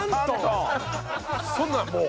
そんなのもう。